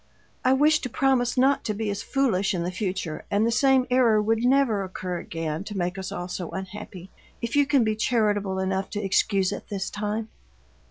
I wish to promise not to be as foolish in the future, and the same error would never occur again to make us all so unhappy, if you can be charitable enough to excuse it this time."